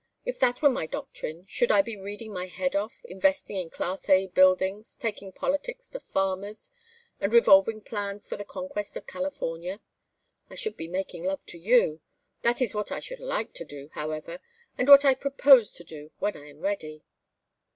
If that were my doctrine should I be reading my head off, investing in Class A buildings, talking politics to farmers, and revolving plans for the conquest of California? I should be making love to you. That is what I should like to do, however, and what I propose to do when I am ready."